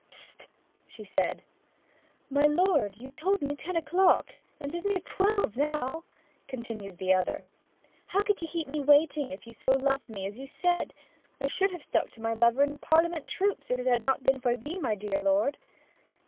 'Hist!' she said. 'My lord, you told me ten o'clock, and 'tis near twelve now,' continues the other. 'How could ye keep me waiting so if you love me as you said? I should have stuck to my lover in the Parliament troops if it had not been for thee, my dear lord!'